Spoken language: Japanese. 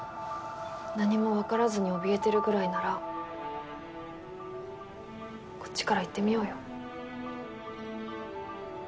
何もわからずにおびえてるぐらいならこっちから行ってみようよ。